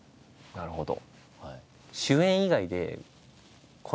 なるほど。